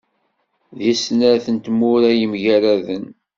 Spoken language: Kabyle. Deg snat n tmura yemgaraden.